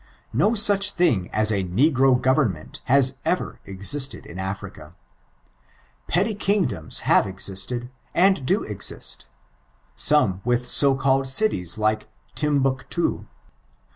No auch thing aa a negro government has ever existed in Africa. Petty Ungdoma have eiiated* and do exist : some with so called citiea like Timbuctoo.